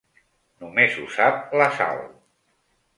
Només ho sap la Sal.